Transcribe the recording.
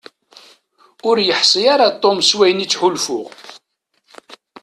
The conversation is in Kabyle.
Ur yeḥsi ara Tom s wayen i ttḥulfuɣ.